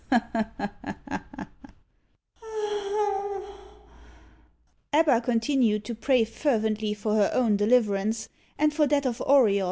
Ebba continued to pray fervently for her own deliverance, and for that of Auriol.